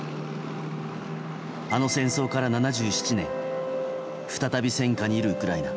あの戦争から７７年再び戦禍にいるウクライナ。